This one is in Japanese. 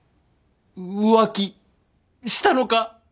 浮気したのか？